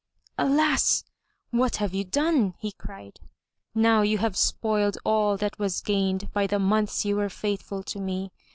"Alas! What have you done?'* he cried. "Now you have spoiled all that was gained by the months you were faithful to me.